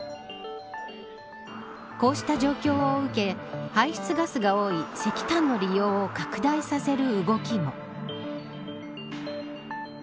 こうした状況を受け排出ガスが多い石炭の利用を拡大させる動きも。